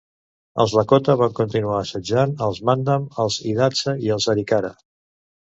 Els Lakota van continuar assetjant els Mandan, els Hidatsa i els Arikara.